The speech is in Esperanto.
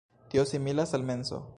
Tio similas al menso.